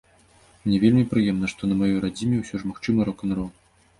Мне вельмі прыемна, што на маёй радзіме ўсё ж магчымы рок-н-рол.